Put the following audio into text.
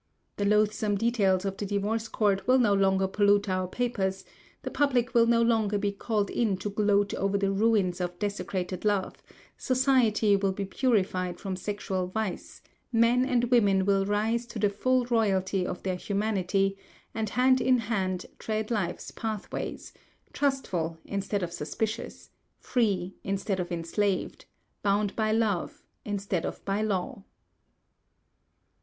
The loathsome details of the Divorce Court will no longer pollute our papers; the public will no longer be called in to gloat over the ruins of desecrated love; society will be purified from sexual vice; men and women will rise to the full royalty of their humanity, and hand in hand tread life's pathways, trustful instead of suspicious, free instead of enslaved, bound by love instead of by law.